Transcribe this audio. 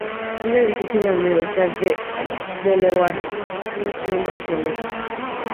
Un edificio en la Universidad de Delaware tiene su nombre en su honor.